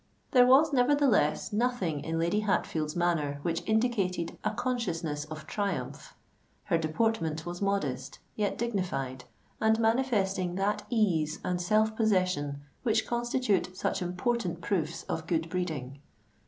There was, nevertheless, nothing in Lady Hatfield's manner which indicated a consciousness of triumph: her deportment was modest, yet dignified—and manifesting that ease and self possession which constitute such important proofs of good breeding.